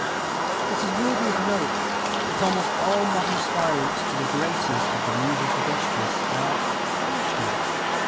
It is worthy of note that almost all modern aspirants to the graces of the Musa Pedestris are Irishmen.